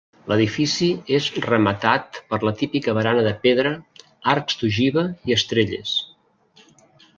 L'edifici és rematat per la típica barana de pedra, arcs d'ogiva i estrelles.